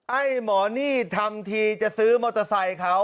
ไอ้หมอนี่ทำทีจะซื้อมอเตอร์ไซค์เขา